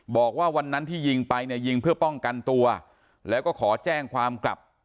บอกว่าวันนั้นที่ยิงไปเนี่ยยิงเพื่อป้องกันตัวแล้วก็ขอแจ้งความกลับ